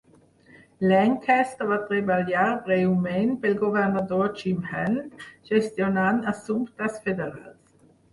Lancaster va treballar breument pel governador Jim Hunt gestionant assumptes federals.